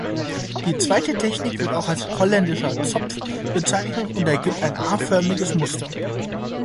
Die zweite Technik wird auch als „holländischer Zopf“ bezeichnet und ergibt ein A-förmiges Muster.